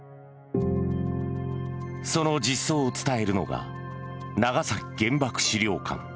その実相を伝えるのが長崎原爆資料館。